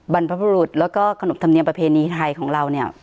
บรรพบุรุษแล้วก็ขนบธรรมเนียมประเพณีไทยของเราเนี่ย